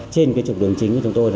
trên cái trục đường chính của chúng tôi